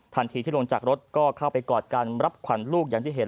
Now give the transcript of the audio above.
ทันทีที่ลงจากรถก็เข้าไปกอดกันรับขวัญลูกอย่างที่เห็น